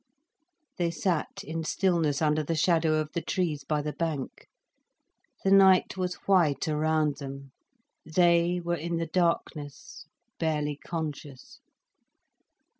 They sat in stillness under the shadow of the trees by the bank. The night was white around them, they were in the darkness, barely conscious.